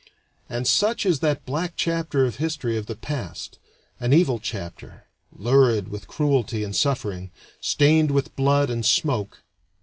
And such is that black chapter of history of the past an evil chapter, lurid with cruelty and suffering, stained with blood and smoke.